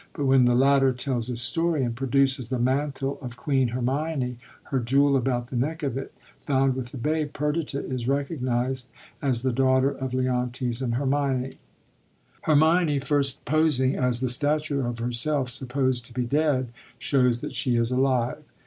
But when the latter tells his story and produces ' the mantle of Queen Hermione, her jewel about the neck of it,' found with the babe, Perdita is recognised as the daughter of Leontes and Hermione. 141 KING HENRY THE EIGHTH Hermione, first posing as the statue of herself supposed to be dead, shows that she is alive.